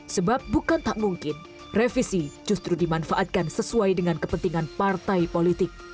sebab bukan tak mungkin revisi justru dimanfaatkan sesuai dengan kepentingan partai politik